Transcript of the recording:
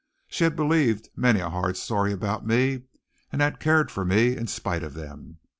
She had believed many a hard story about me and had cared for me in spite of them.